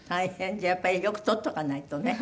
じゃあやっぱりよく取っとかないとね。